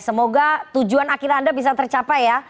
semoga tujuan akhir anda bisa tercapai ya